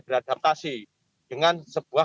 beradaptasi dengan sebuah